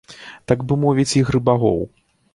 Так бы мовіць, ігры багоў.